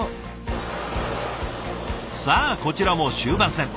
さあこちらも終盤戦。